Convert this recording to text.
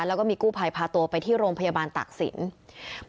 แล้วก็มีกู้ภัยพาตัวไปที่โรงพยาบาลตากศิลป์